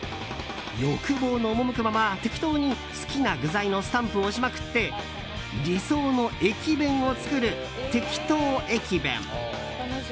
欲望の赴くままてきとに好きな具材のスタンプを押しまくって理想の駅弁を作る「てきと駅弁」。